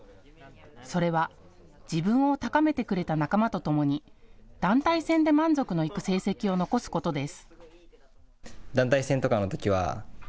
それは自分を高めてくれた仲間とともに団体戦で満足のいく成績を残すことです。